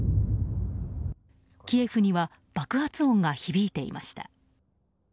キエフには爆発音が響いていました。